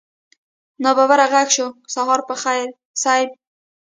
ناببره غږ شو سهار په خير صيب.